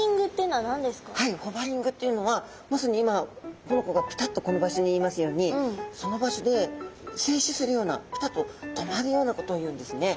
はいホバリングっていうのはまさに今この子がピタっとこのばしょにいますようにそのばしょでせいしするようなピタっと止まるようなことをいうんですね。